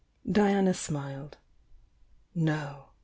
Diana smiled. "No.